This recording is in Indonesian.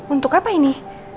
untuk apa ini